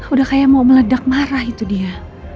udah kayak mau meledak marah itu dia